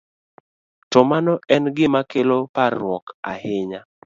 to mano en gima kelo parruok ahinya.